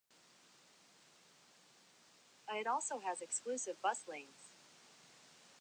It also has exclusive bus lanes.